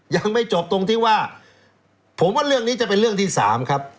ยังไม่จบตรงที่ว่าผมว่าเรื่องนี้จะเป็นเรื่องที่๓ครับ